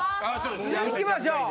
行きましょう！